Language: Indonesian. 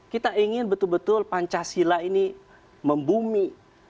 kita ingin betul betul pancasila ini membumi